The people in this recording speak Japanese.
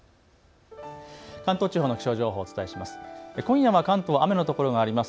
関東地方の気象情報、お伝えします。